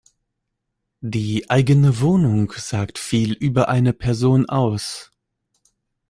Die eigene Wohnung sagt viel über eine Person aus.